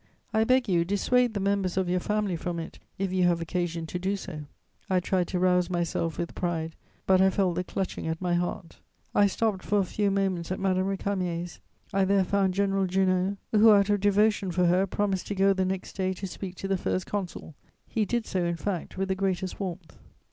I beg you, dissuade the members of your family from it, if you have occasion to do so.' "I tried to rouse myself with pride, but I felt the clutching at my heart. "I stopped for a few moments at Madame Récamier's. I there found General Junot, who, out of devotion for her, promised to go the next day to speak to the First Consul. He did so in fact with the greatest warmth....